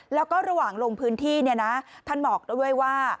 แล้วก็ระหว่างลงพื้นที่ท่านบอกด้วยว่า